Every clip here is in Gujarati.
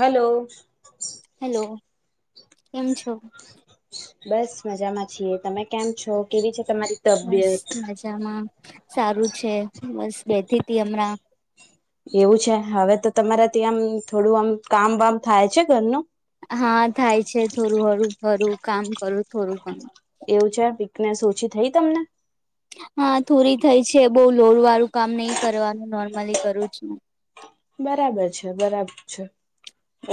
હલો- - હેલો કેમ છો બસ મજામાં છીએ તમે કેમ છો કેવી છે તમારી- - બસ મજામાં સારું છે બસ બેઠ ત હમણાં એવું છે હવે તો તમારા ત્યાં આમ થોડું આમ કામ વામ થાય છે ઘરનું- - હા થાય છે થોડું હડું ઘરું કામ કરું થોડું પણ- - એવું છે ફિટનેસ ઓછી થઈ તમને? હા થોરી થઈ છે બઉ લોર વાળું કામ નહી કરવાનું નોર્મલી કરું છુ. બરાબર છે બરાબર છે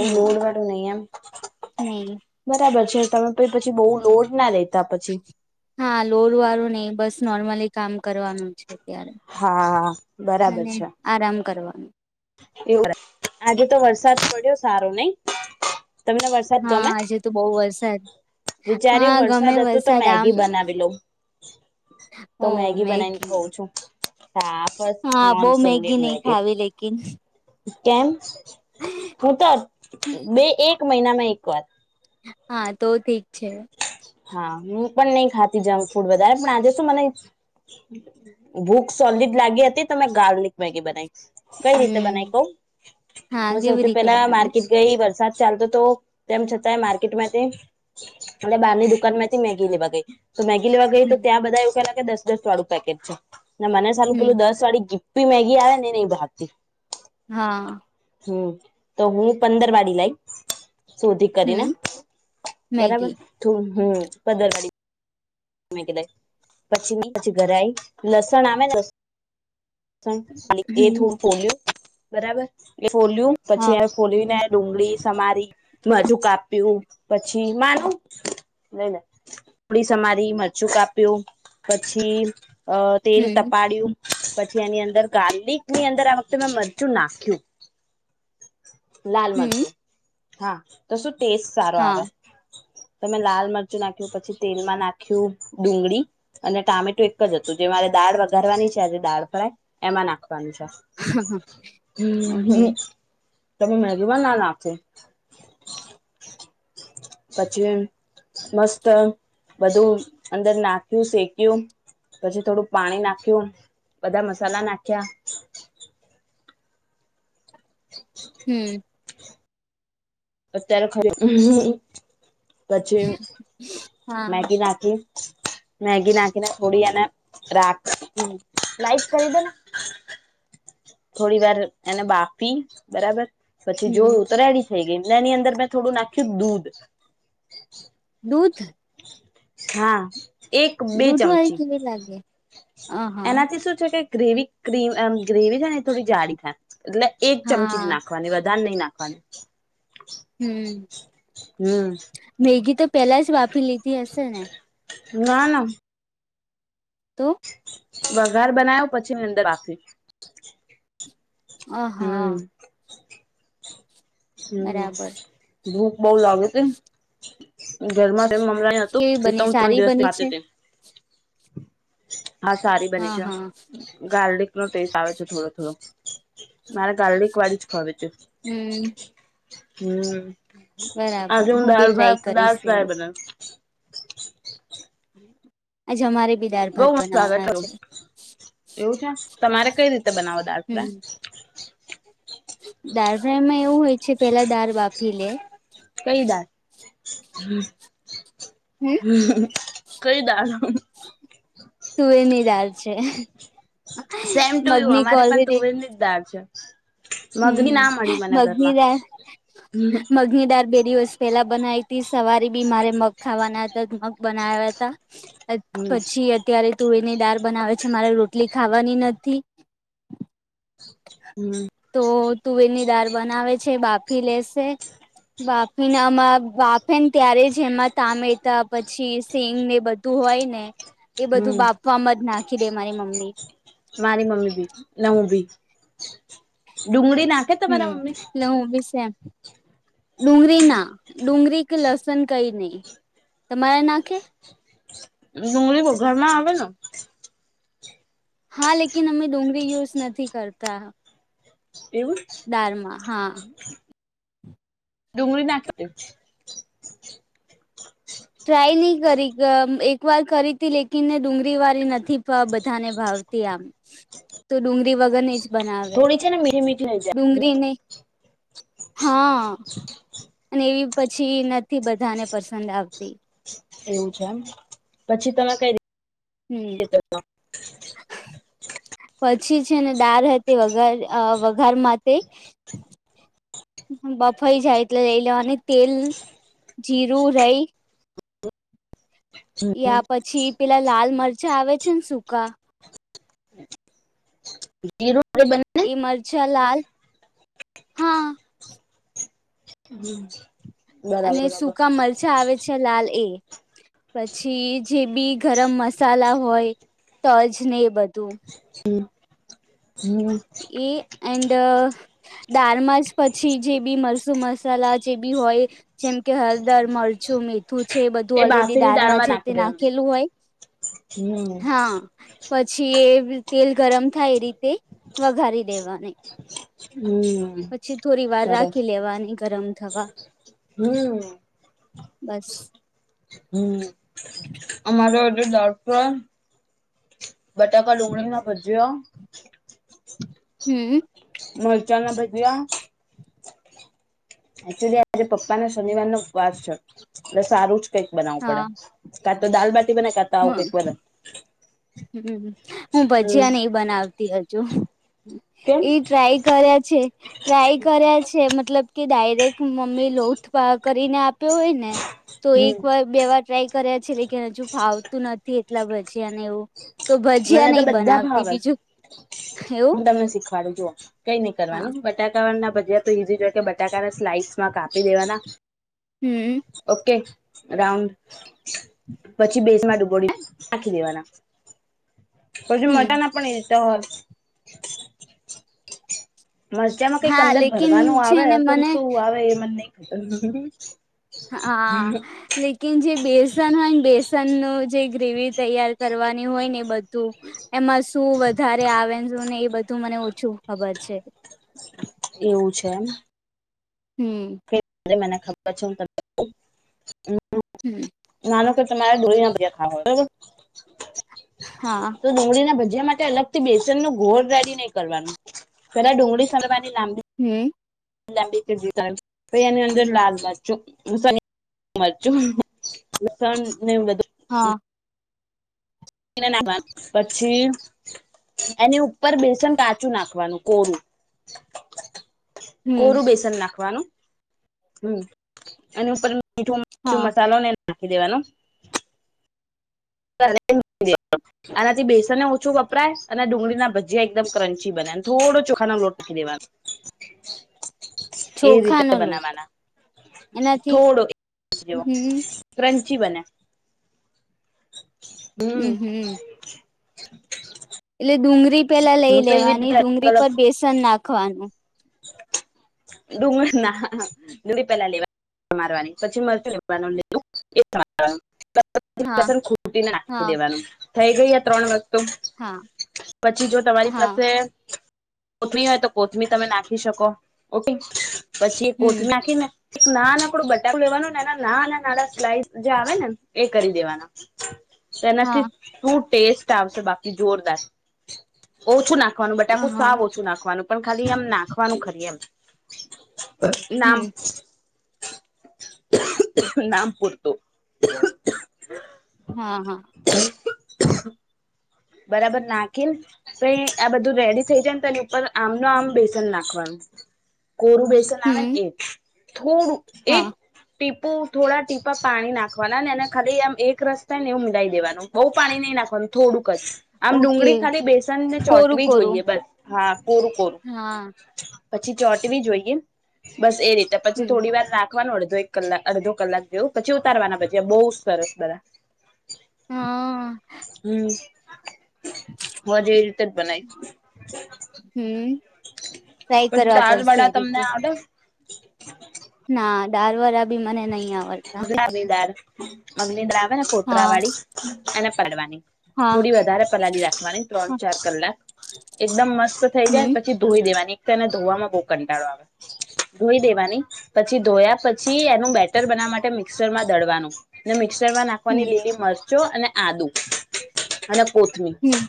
હમ વાળું નહિ એમ- નહી - બરાબર છે તમે પણ પછી બહુ લોડ ના લેતા પછી. હા લોર વાળું નહ બસ નોર્મલી કામ કરવાનું જ- - અત્યારે. હા બરાબર અને છે આરામ કરવા એવ આજે તો વરસાદ પડ્યો સારો નહી તમને વરસાદ હા ગમે? આજે તો બહુ વરસાદ હા વિચાર્યું ગમે વરસાદ હતું તો આમ મેગી બનાવી લઉં તો મેગી બનાવીને ખઉં છું હા મોનસુંર મેગી કેન કેમ હું તો બે એક મહિનામાં એક વાર હા તો ઠીક છે. હા હું પણ નઈ ખાતી જમ ફૂડ વધારે પણ આજે શું મને ભૂખ સોલડ લાગી હતી તો મેં ગાર્લિક મેગી બનાવી કઈ રીતે બનાવી હમ કવ હા હું કેવી સૌથી રીતે પેલા બનાવી માર્કેટ ગઈ વરસાદ ચાલતો તો તેમ છતાંય માર્કેટમાંથી અનેટ બારની દુકાન માંથી મેગી લેવા ગઈ તો મેગી લેવા ગઈ હમ તો ત્યાં બધા એવું કેલા કે દસ દસ વાળું પેકેટ છે ને મને સામેું હમ પેલું દસ વાળી ગીપ્પી મેગી આવે ને નહી ભહાતી હા. હમ તો હું પંદર વાડી લઈ શોધી કરીને હમ બરાબર મેગી થ હમ પદરવાડી. મે કીધ પછી ની ગરાય લસણ આવેને લ એ હમ થોડું પોલું બરાબર એ પોલિું હા પછી. ખોલીને ડુંગળી સમારી મજું કાપ્યું પછી માનું ન આપડી સમાજ મરચું કાપ્યું પછી તેલ હમ તપાડ્યું પછી એની અંદર ગાર્લિક ની અંદર આ વખતે મેં મરચું નાખ્યું- લાલ હમ મચું હા તો શું ટેસ્ટ સારો હા આવે તમે લાલ મરચું નાખ્યું પછી તેલમાં નાખ્યું ડુંગળી અને ટામેટો એક જ હતું જે મારે દાળ વઘારવાની છે આજે દાળ ફ્રાય એમાં નાખવાનું છે હમ ઓકે હમ. તમે મે કેવા ના નાખે પછી મસ્ત બધું અંદર નાખ્યું શેક્યું પછી થોડું પાણી નાખ્યું બધા મસાલા નાખ્યા હમ્. અત્યારે ખરી પછી હા મેગી નાખી મેગી નાકી ના થોડી અને રાખ લાઈટ કરી દેને થોડી વાર એને બાફી બરાબર પછી હમ જોયું તો રેડી થઈ ગઈ એની અંદર મેં થોડું નાખ્યું દૂધ દૂધ. હા એક બે દૂધ વાળી ચમચી કેવી લાગે? અ હા એનાથી શું છે કે ગ્રેવી ક્રીમ ગ્રેવી છે ને એ થોડી જાડીી થાય એટલે એક ચમચી જ હા નાખવાની વધારે નહી નાખવાની. હમ હમ મેગી તો પેલા જ વાપરી લીધી હશે ને ના ના. તો? વઘાર બનાવ્યો પછીની અંદર રાખી હ હમ હા. હમ બરાબર ભૂખ બઉ લાગે છે ઘરમાં તેમ હું કેવી ત બની ત્રણ સારી બની છે દિવસથી હા સારી બની હા છે હા ગાર્લિક. નો ટેસ્ટ આવે છે થોડો થોડો મારે ગારડ એક વાળી જ ખવે છે. હમ. હમ બરાબર આજે હું બી ડળ ભા ટ્રાય દળ કરીશ ફાય એવી બના. આજ અમારે બિ. બઉ મસ્ સ્વાગત હતું એવું છે તમારે કઈ રીતે બનાવો દાત. દાર ફ્રાયમાં એવું હોય છે પેલા દાર બાફી લે. કઈ દળ કઈ દળ. તું એની દાલ છે. સેમ ટુ યુ મગની અમારે પણ કોલરેડી તું એ જદાર છે. મગની ના હમ મળી મને ઘરમાં મગનીદાર હમ મગનીદાર બેરી વસ્ત. પેલા બનાવી હતી સવારે બી મારે મગ ખાવાના હતા મગ બના્યા હતા. હમ પછી અત્યારે તુળીની દાળ બનાવે છે મારે રોટલી ખાવાની નથી. હમ. તો તુવેરની દાળ બનાવે છે બાફી લેશે. બાફેનમાં બાફેન ત્યારે જ એમાં તમેતા પછી સેંગ ને બધા. તું હોય ને એ બધું હમ બાપવામાં જ નાખી દે મારી મમ્મી. મારી મમ્મી ભી નવું ભી ડુંગળી નાખ. હમ એટલે હું બી છેમ. ડુંગળી ના ડુંગરી કે લસણ કઈ નહી તમારા નાખે. ડુંંગળરી ઘર માં આવે ન. હા લેકન અમે ડુંગળી યુઝ નથી કરતા. એવું. દારમાં હા. ડુંગળરી નાખી દ. ટ્રાય નહી કરી એક વાર કરી હતી લેકિન ને ડુંગળી વાળી નથી બધાને ભાવ. આમ તો ડુંગી વગર જ બનાવે થોડી છે ને મીઠી મીઠી રહી જાય ડુંગળીને. હા અને એવી પછી નથી બધાને પસંદ આવતી. તે. એવું છે એમ પછી તમે કઈ. હમ. રીતે પછી છે ને દાળ હતી વઘાર વઘાર માટે. બફાઈ જાય એટલે લઈ લેવા અને તેલ જીરું રહી. યા પછી પેલા લાલ મરચા આવે છે ને સુૂકા. [unintelligible] એ મરચા લાલ હા. હમ. અને સૂકા મરચાં આવે છે લાલ એ. પછી જે બી ગરમ મસાલા હોય તોજ ને એ બધું. હમ હમ. એ એન્ડ. દાળમાં જ પછી જે બી મરસું મસાલા જે બી હોય. જેમ કે હળદર મરચું મીઠ. તું છે બધું એ ઓલરેડી બાફીની દળમાં દાળમાં છે તે નાખી દેવાનું. નાખેલું હોય હમ હા. પછી એ તેલ ગરમ થાય એ રીતે વઘારી દેવાની. હમ. પછી થોડી વાર સરસ રાખી લેવાની ગરમ થવા. હમ. બસ. હમ અમારોધ દો્ટ. બટાકા લૂણી ના ભૂજ્યો હમ મરચા ના ભજ્યા એકચુલી આજે પપ્પાના શનિવાર નો ઉવાસ છે બસ સારું જ કંઈક બનાવવું પડે હા કાતો દાલ બાટી બના કા તો આવ ક હમ બર હમ હું ભજીયા નહ બનાવતી હજુ કેમ એ ટ્રાય કર્યા છે ટ્રાય કર્યા છે મતલબ કે ડાયરેક્ટ મમ્મી લોટ કરીને આપ્યો હોય ને તો એક હમ. વાર બે વાર ટ્રાય કર્યા છે લેક હજુ ફાવતું નથી એટલા પછી અને એવું તો મને ભજીયા તો નહી બધા બનાવતી ભાવ છે. બીજું એવું હું તમને શીખવાડું જોુ કઈ નઈ હા કરવાનું બટાકા ના ભજ તો ઈઝી જોય કે બટાકા ના સ્લાઇડ માં કાપી દેવાના હમ ઓકે રાઉન્ડ પછી બેઝમાં ડૂબડી નાખી દેવાના પછી હમ મટા ના પણ એ હોર મજજામાં કઈક હા અંદર લેકિન ભરવાનું છે આવે ને પણ મને શું આવે એ મને નઈ ખબર હા લેકન જે બેસન હોય ને બેસનનું જે ગ્રેવી તૈયાર કરવાની હોય ને એ બધું એમાં શું વધારે આવે ને એ બધું મને ઓછું ખબર છે. એવું છે એમ હમ મને ખબર છે [unintelligible] હમ્ નાનો કે તમારે ડોળ ના બધા ખાવો બરોબર હા તો ડુંગળીના ભજયા માટે અલગ બેસન નું ઘોળ રેડી નહીં કરવાનું પેલા ડુંગળી સરવાની લાંબી હમ બ જ તો એની અંદર લાલ મરચો હ મરચુ [unintelligible] હા ના પછી એની ઉપર બેસન કાચું નાખવાનું કોરું [inaudible] હમ કોરું બેસન નાખવાનું હમ એની ઉપર મીઠું મું હા મસાલો ને નાખી દેવાનો [unintelligible] આનાથી બેસનને ઓછું વપરાય અને ડુંગળી ના ભજીયા એકદમ ક્રંચી બનાય ને થોડો ચોખાનો લોટ નાખી દેવાનો. [inaudible] એ રીતે ચોખાનો લોટ બનાવાના એનાથી થોડો હમ ક્રંચી બને હમ એટલે ડુંગળી પેલા લઈ હું તો એવી લેવાની રીતે ડુંગળી પર બેસન નાખવાનું [inaudible] ડુંગર ના ડુંળી પેલા લેવા મારવાની પછી મરચ લેવાનું લીધ હા ખૂટી નાખી હા દેવાનું થઈ ગય આ ત્રણ વખત હા પછી જો તમારી હા પાસે કોથમીર હોય તો કોથમીર તમે નાખી નાખી શકો ઉટી પછી એ કોથમીર હમ નાખી ને ના ના આપડું બટાટું લેવાનું ને એના ના નાના નાના સ્લાઈસ જે આવે ને એ કરી દેવાના તેનાથી હા શું ટેસ્ટ આવશે બાકી જોરદાર ઓછું નાખવાનું બટાકુ હા સાવ ઓછું નાખવાનું પણ ખાલી આમ નાખ નાખવાનું ખરી એમ નામ હમ નામ પૂરતું હા હા હ બરાબર નાખીન તો આ બધું રેડી થઈ જાય ને તોની ઉપર આમ નું આમ બેસન નાખવાનું કોરું બેસન ના હમ એ થોડું હા એક ટીપુ થોડા ટીપા પાણી નાખવાના ને એને ખાલી આમ એક રસ્તા ને એવું મિલાઈ દેવાનું બઉ પાણી નહી નાખવા થોડું આમ ઓકે ડુંગળી ખાલી બેસનને કોરું ચોટવી કોરું જોઈએ બસ હા પર હા પછી ચોટવી જોઈએ બસ એ રીતે પછી હમ થોડી વાર રાખ વાનું અડધો એક કલાક અડધો કલાક જેવું પછી ઉતારવાના પછી બહુ સરસ બધા હા હમ્મ મજ એવી રીતે જ બનાય હમ્મ ટ્રાય પછી કરવા દાલ પડશે વડા એ તમને રીતે આવડે ના ડાર વરા બદલા આવી દાર અમને હેને આવે ને કોતરા હા વાળી અને પાડવાની હા થોડી વધારે પલાળી રાખવાની ત્રણ ચાર કલાક એકદમ મસ્ત થઈ જાય હમ પછી ધોઈ દેવાની એક તો એને ધોવામાં બહુ કંટાળો આવે ધોઈ દેવાની પછી ધોયા પછી બેટર બનાવા માટે મિક્સર માં દડવાનું મિક્સર માં નાખવાની હમ લીલી મ ચો અને આદુ અને કોથમીર હમ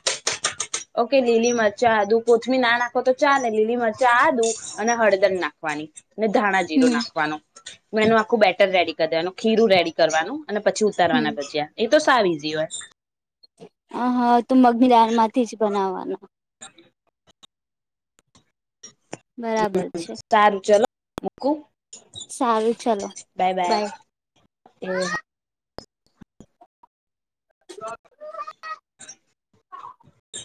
ઓકે લીલી મરચા આદું કોથમી નાખો તો ચાલેને લીલી મરચા આદું અને હળદર નાખવાની ને ધાણા જીરો હમ નાખવાનો એનું આખું બેટર રેડી કરી દેવાનું ખીરું રેડી કરવાનું અને પછી ઉતારવાના હમ ભજ્યા એ તો સાવ ઈઝી હોય હ હા તું મગની દાનમાંથી જ બનાવવાનું [unintelligible] બરાબર છે સારું ચલો મૂકું સારું ચલો બાય બાય એ હા હ